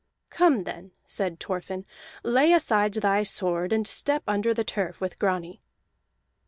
"Come, then," said Thorfinn. "Lay aside thy sword, and step under the turf with Grani."